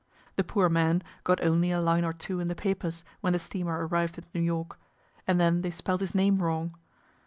The poor man got only a line or two in the papers when the steamer arrived at New York, and then they spelled his name wrong.